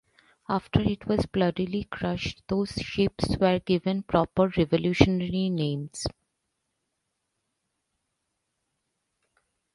After it was bloodily crushed, those ships were given proper 'revolutionary' names.